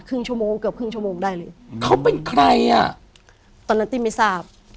ชั่วโมงเกือบครึ่งชั่วโมงได้เลยเขาเป็นใครอ่ะตอนนั้นติ้มไม่ทราบ